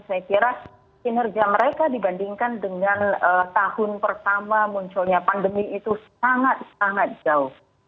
saya kira kinerja mereka dibandingkan dengan tahun pertama munculnya pandemi itu sangat sangat jauh